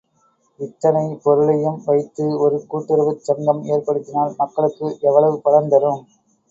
இத்தனை பொருளையும் வைத்து ஒரு கூட்டுறவுச் சங்கம் ஏற்படுத்தினால் மக்களுக்கு எவ்வளவு பலன் தரும்!